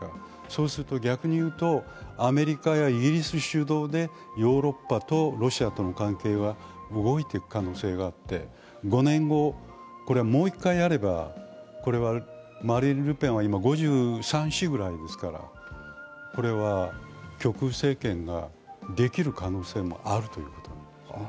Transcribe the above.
そうすると逆に言うと、アメリカやイギリス主導でヨーロッパとロシアとの関係は動いていく可能性があって、５年後、もう一回あれば、マリーヌ・ルペンは今５３５４ぐらいですから、極右政権ができる可能性もあるということですね。